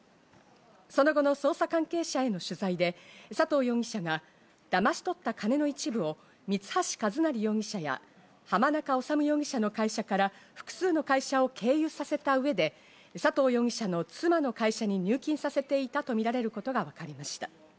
その後の捜査関係者への取材で佐藤容疑者がだまし取った金の一部を三橋一成容疑者や浜中治容疑者の会社から複数の会社を経由させた上で、佐藤容疑者の妻の会社に入金させていたとみられることがわかりました。